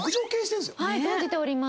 はい存じております。